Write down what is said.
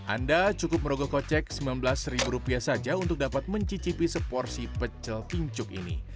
anda cukup merogoh kocek rp sembilan belas saja untuk dapat mencicipi seporsi pecel pincuk ini